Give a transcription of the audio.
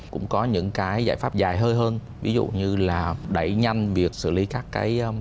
cũng có những giải pháp dài hơn ví dụ như là đẩy nhanh việc xử lý các